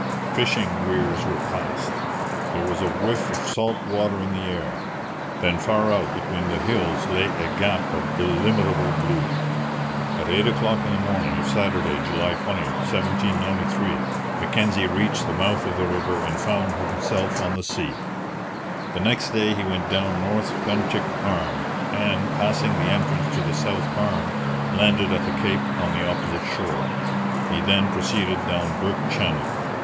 Fishing weirs were passed. There was a whiff of salt water in the air; then far out between the hills lay a gap of illimitable blue. At eight o'clock in the morning of Saturday, July 20, 1793, Mackenzie reached the mouth of the river and found himself on the sea. The next day he went down North Bentinck Arm, and, passing the entrance to the south arm, landed at the cape on the opposite shore. He then proceeded down Burke Channel.